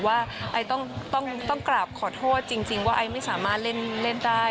ว่าไอต้องกราบขอโทษจริงว่าไอไม่สามารถเล่นได้